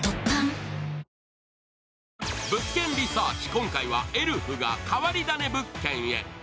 今回はエルフが変わり種物件へ。